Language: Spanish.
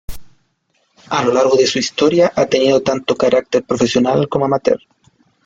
A lo largo de su historia ha tenido tanto carácter profesional como amateur.